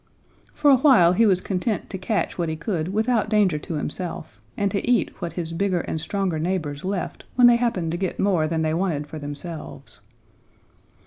For a while he was content to catch what he could without danger to himself, and to eat what his bigger and stronger neighbors left when they happened to get more than they wanted for themselves.